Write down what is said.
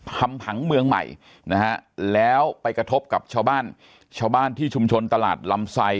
พังผังเมืองใหม่นะฮะแล้วไปกระทบกับชาวบ้านชาวบ้านที่ชุมชนตลาดลำไซ